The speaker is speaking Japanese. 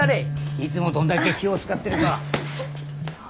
いつもどんだけ気を遣ってるか。